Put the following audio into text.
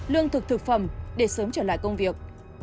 lương thực thực phẩm để sớm trở lại công việc